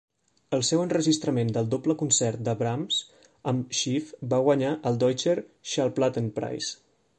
El seu enregistrament del Doble concert de Brahms amb Schiff va guanyar el Deutscher Schallplattenpreis.